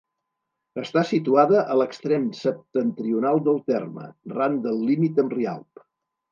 Està situada a l'extrem septentrional del terme, ran del límit amb Rialb.